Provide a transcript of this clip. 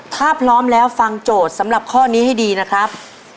ถ้าพร้อมแล้วฟังโจทย์สำหรับข้อนี้ให้ดีนะครับ